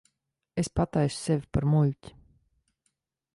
Es pataisu sevi par muļķi.